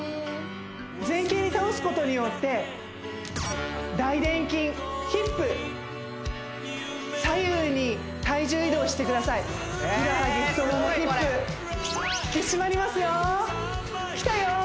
前傾に倒すことによって大でん筋ヒップ左右に体重移動してくださいふくらはぎ太ももヒップ引き締まりますよきたよ